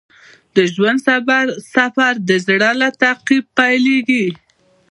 د ژوند سفر د زړه له تعقیب پیلیږي.